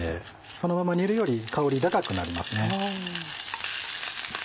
そのまま煮るより香り高くなりますね。